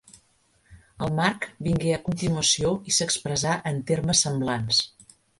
El Marc vingué a continuació i s'expressà en termes semblants.